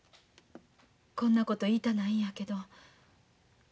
こんなこと言いたないんやけど。